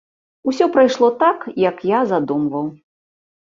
Усё прайшло так, як я задумваў.